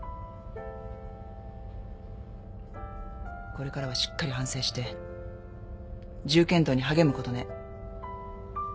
これからはしっかり反省して銃剣道に励むことね。